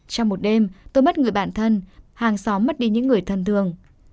trong một đêm tôi mất người bạn thân hàng xóm mất đi những người thân thường